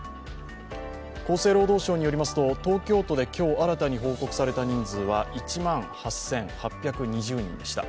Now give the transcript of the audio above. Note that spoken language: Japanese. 厚生労働省によりますと東京都で今日新たに報告された人数は１万８８２０人でした。